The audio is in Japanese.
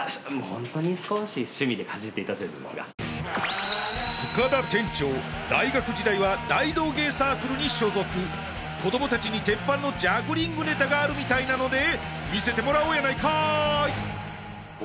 ホントに少し趣味でかじっていた程度ですが塚田店長大学時代は大道芸サークルに所属子供達に鉄板のジャグリングネタがあるみたいなので見せてもらおうやないかーい